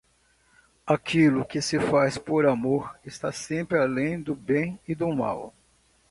Aquilo que se faz por amor está sempre além do bem e do mal.